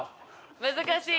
難しい。